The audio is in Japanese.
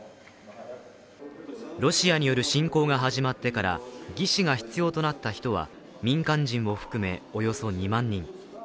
ロシアによる侵攻が始まってから義肢が必要となった人は民間人を含めおよそ２万人。